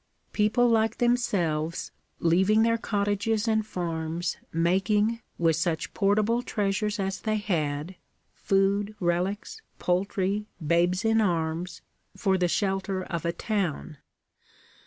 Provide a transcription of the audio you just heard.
People like themselves leaving their cottages and farms, making, with such portable treasures as they had (food, relics, poultry, babes in arms), for the shelter of a town.